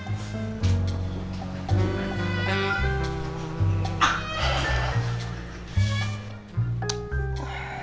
apa itu bucin